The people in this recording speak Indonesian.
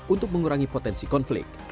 untuk mengurangi potensi konflik